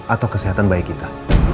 atau kesehatan bayi kita